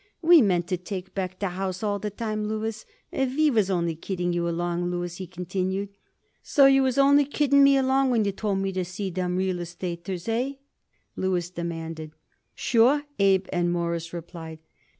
We meant to take back the house all the time, Louis. We was only kidding you along, Louis," he continued. "So you was only kidding me along when you told me to see them real estaters, hey?" Louis demanded. "Sure," Abe and Morris replied.